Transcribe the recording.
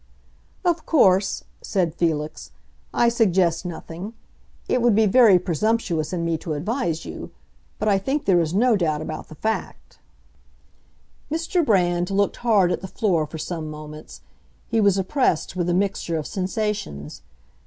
"Of course," said Felix, "I suggest nothing; it would be very presumptuous in me to advise you. But I think there is no doubt about the fact." Mr. Brand looked hard at the floor for some moments; he was oppressed with a mixture of sensations.